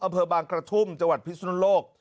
อำเภอบางกระทุ่มจังหวัดพิศนุโลก